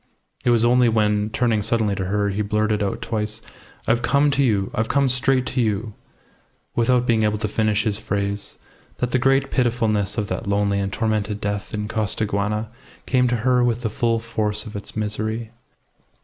It was only when, turning suddenly to her, he blurted out twice, "I've come to you I've come straight to you ," without being able to finish his phrase, that the great pitifulness of that lonely and tormented death in Costaguana came to her with the full force of its misery.